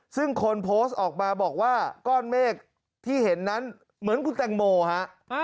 ซึ่งคนโพสต์ออกมาบอกว่าก้อนเมฆที่เห็นนั้นเหมือนคุณแตงโมฮะ